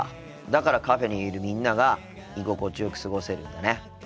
だからカフェにいるみんなが居心地よく過ごせるんだね。